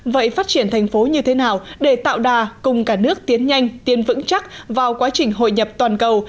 vậy phát triển thành phố như thế nào để tạo đà cùng cả nước tiến nhanh tiến vững chắc vào quá trình hội nhập toàn cầu